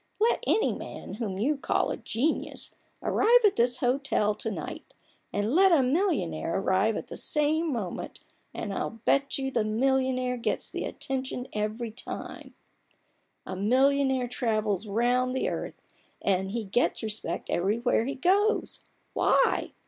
Let any man whom you call a genius arrive at this hotel to night, and let a millionaire arrive at the same moment, and I'll bet you the millionaire gets the attention every time ! THE BARGAIN OF RUPERT ORANGE. 15 A millionaire travels round the earth, and he gets respect everywhere he goes — why